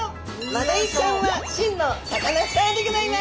マダイちゃんは真のサカナスターでギョざいます！